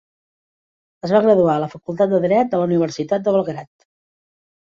Es va graduar a la Facultat de Dret de la Universitat de Belgrad.